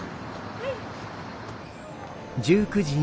はい。